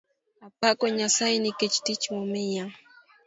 Apako Nyasaye nikech tich momiya